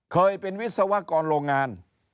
เคยเป็นวิศวกรโรงงาน